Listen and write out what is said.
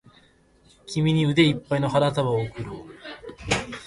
君に腕いっぱいの花束を贈ろう